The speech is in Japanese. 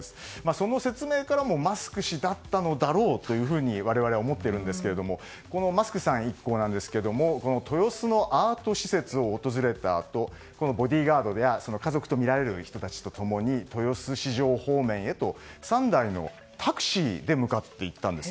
その説明からもマスク氏だったのだろうと我々は思っているんですがマスクさん一行なんですが豊洲のアート施設を訪れたあとボディーガードや家族とみられる人たちと共に豊洲市場方面へと３台のタクシーで向かっていったんです。